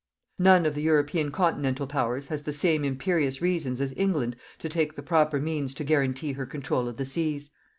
None of the European continental Powers has the same imperious reasons as England to take the proper means to guarantee her control of the seas.